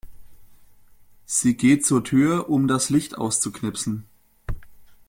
Sie geht zur Tür, um das Licht auszuknipsen.